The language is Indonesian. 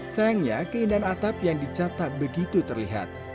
sayangnya keindahan atap yang dicat tak begitu terlihat